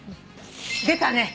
出たね。